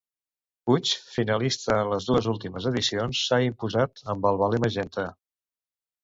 Puig, finalista en les dues últimes edicions, s'ha imposat amb "El veler magenta".